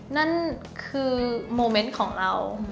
นั่นคือโมเมนต์ของเรา